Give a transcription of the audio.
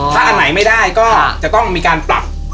ถ้าอย่างไหนไม่ได้ก็ยังไงก็ต้องมีการปรับ